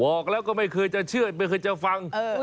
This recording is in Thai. บอกแล้วก็ไม่เคยจะเชื่อไม่เคยจะฟัง